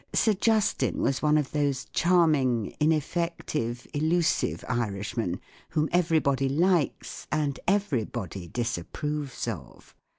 Sir Justin was one of those charm¬ ing, ineffective, elusive Irishmen whom every¬ body likes and everybody disapproves of.